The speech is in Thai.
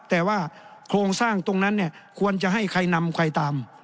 แต่ว่าโครงสร้างตรงนั้นเนี่ยควรจะให้ใครนำใครตาม